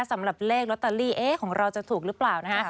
สำหรับเลขลอตเตอรี่ของเราจะถูกหรือเปล่านะฮะ